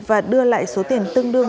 và đưa lại số tiền tương đương